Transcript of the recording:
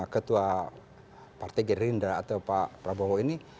ketua partai gerindra atau pak prabowo ini